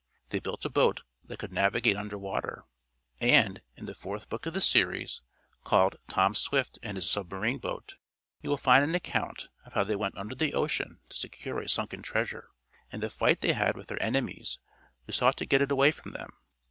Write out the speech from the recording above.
They built a boat that could navigate under water, and, in the fourth book of the series, called "Tom Swift and His Submarine Boat," you will find an account of how they went under the ocean to secure a sunken treasure, and the fight they had with their enemies who sought to get it away from them.